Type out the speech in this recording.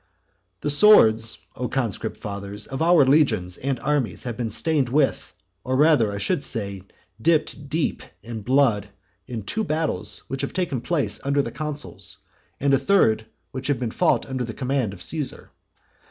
III. The swords, O conscript fathers, of our legions and armies have been stained with, or rather, I should say, dipped deep in blood in two battles which have taken place under the consuls, and a third, which has been fought under the command of Caesar.